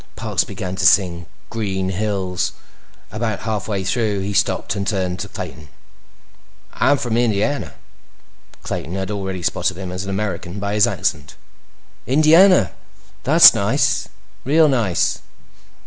Parks began to sing Green Hills. About halfway through, he stopped and turned to Clayton. "I'm from Indiana." Clayton had already spotted him as an American by his accent. "Indiana? That's nice. Real nice."